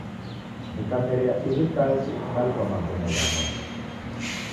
Nikameria ihi kazi nalipwa magome ghaenga.